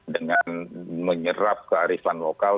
dengan menyerap kearifan lokal